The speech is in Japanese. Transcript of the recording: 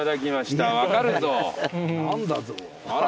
あら